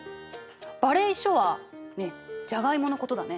馬鈴薯はじゃがいものことだね。